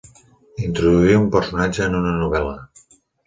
Introduir un personatge en una novel·la.